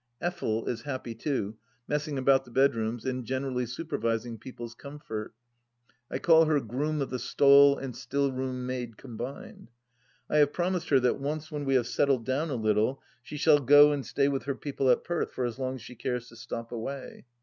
Effel is happy too, messing about the bedrooms, and generally supervising people's comfort. I call her groom of the stole and still room maid combined. I have promised her that when once we have settled down a little, she shall go and stay with her people at Perth for as long as she cares to stop away.